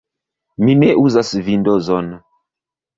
Mi ne uzas Vindozon.